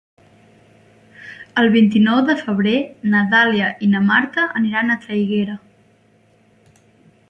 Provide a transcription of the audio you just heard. El vint-i-nou de febrer na Dàlia i na Marta aniran a Traiguera.